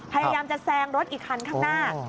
พยายามจะแซงรถอีกคันข้างหน้า